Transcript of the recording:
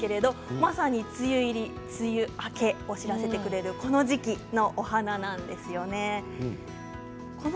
まさに梅雨入り梅雨明けを知らせてくれるこの時期のお花なんです。